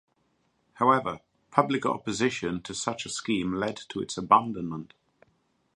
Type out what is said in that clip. However, public opposition to such a scheme led to its abandonment.